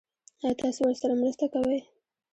ایا تاسو ورسره مرسته کوئ؟